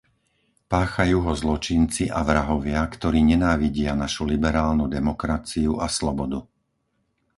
Páchajú ho zločinci a vrahovia, ktorí nenávidia našu liberálnu demokraciu a slobodu.